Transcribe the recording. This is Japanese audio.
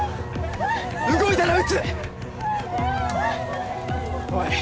動いたら撃つおい